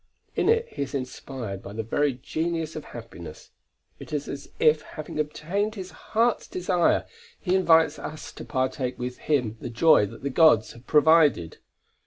In it he is inspired by the very genius of happiness. It is as if, having obtained his heart's desire, he invites us to partake with him the joy that the gods have provided.